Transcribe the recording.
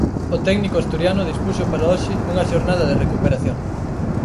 O técnico asturiano dispuxo para hoxe unha xornada de recuperación.